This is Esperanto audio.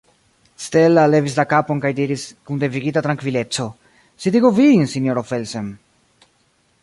Stella levis la kapon kaj diris kun devigita trankvileco: « Sidigu vin, sinjoro Felsen ».